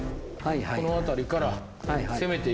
この辺りから攻めていきますわ。